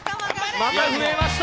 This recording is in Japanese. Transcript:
また増えました。